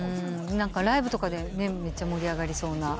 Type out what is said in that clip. ライブとかでめっちゃ盛り上がりそうな。